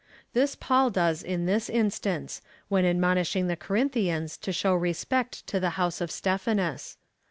This Paul does in this instance, when admonishing the Corinthians to show respect to the house of Stephanas.